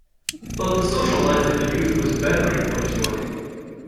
But the social life for the youth was better in Klerksdorp.